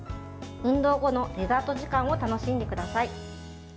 運動後のデザート時間を楽しんでください。